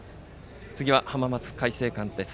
次は浜松開誠館です。